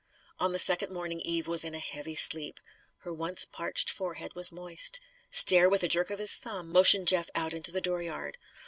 On the second morning Eve was in a heavy sleep. Her once parched forehead was moist. Stair, with a jerk of his thumb, motioned Jeff out into the dooryard.